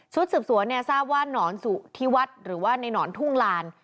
สืบสวนเนี่ยทราบว่าหนอนสุธิวัฒน์หรือว่าในหนอนทุ่งลาน